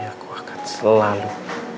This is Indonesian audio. aku akan selalu